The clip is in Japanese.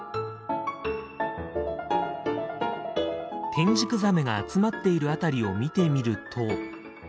テンジクザメが集まっている辺りを見てみると。